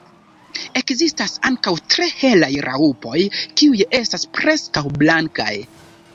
Ekzistas ankaŭ tre helaj raŭpoj, kiuj estas preskaŭ blankaj.